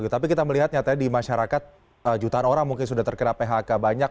tapi kita melihat nyatanya di masyarakat jutaan orang mungkin sudah terkena phk banyak